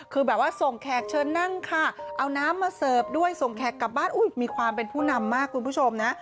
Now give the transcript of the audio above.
คือแบบว่าส่งแขกเชิญนั่งค่ะเอาน้ำมาเสิร์ฟด้วยส่งแขกกลับบ้านมีความเป็นผู้นำมากคุณผู้ชมนะ